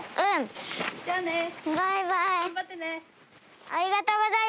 バイバイ！